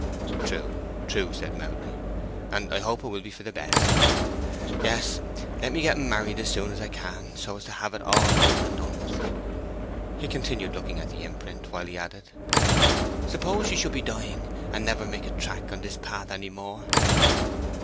"True, true," said Melbury; "and I hope it will be for the best. Yes, let me get 'em married up as soon as I can, so as to have it over and done with." He continued looking at the imprint, while he added, "Suppose she should be dying, and never make a track on this path any more?"